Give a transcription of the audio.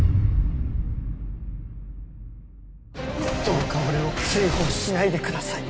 どうか俺を追放しないでください。